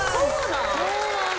そうなん？